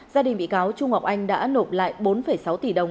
gia đình bị cáo trung ngọc anh đã nộp lại bốn sáu tỷ đồng